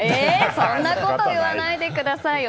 そんなこと言わないでくださいよ。